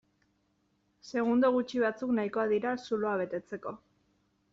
Segundo gutxi batzuk nahikoa dira zuloa betetzeko.